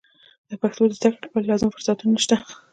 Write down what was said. د پښتو د زده کړې لپاره لازم فرصتونه نشته.